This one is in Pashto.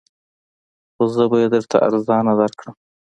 خو زه به یې درته ارزانه درکړم